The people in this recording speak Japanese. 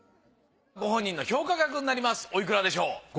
ご本人の評価額になりますおいくらでしょう。